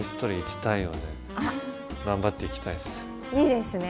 いいですね。